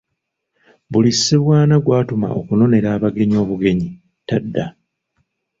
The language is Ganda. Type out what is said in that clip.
Buli Ssebwana gw’atuma okunonera abagenyi obugenyi tadda.